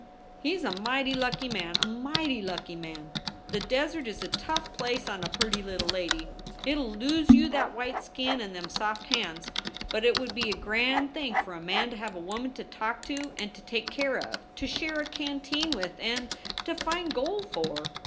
"He s a mighty lucky man, a mighty lucky man! The desert is a tough place on a pirty little lady. It 11 lose you that white skin and them soft hands. But it would be a grand thing for a man to have a woman to talk to and to take care of to share a canteen with and to find gold for.